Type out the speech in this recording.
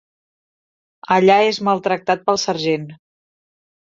Allà és maltractat pel sergent.